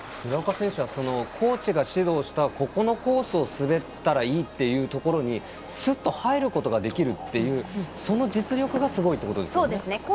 村岡選手はコーチが指導したここのコースを滑ったらいいというところにスッと入ることができるという、その実力がすごいということですね。